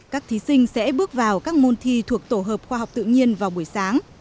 các thí sinh sẽ bước vào các môn thi thuộc tổ hợp khoa học tự nhiên vào buổi sáng